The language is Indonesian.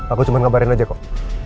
aku cuma ngabarin aja kok